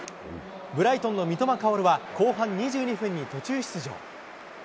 ブライトンの三笘薫は、後半２２分に途中出場。